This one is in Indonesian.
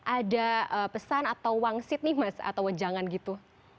ada pesan atau wangsit nih mas atau wejangan gitu